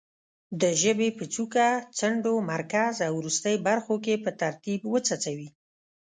د ژبې په څوکه، څنډو، مرکز او وروستۍ برخو کې په ترتیب وڅڅوي.